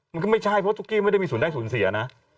มันก็ไม่ใช่เพราะตุ๊กกี้ไม่ได้มีส่วนได้สูญเสียนะ